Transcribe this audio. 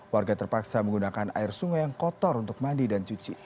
warga terpaksa menggunakan air sungai yang kotor untuk mandi dan cuci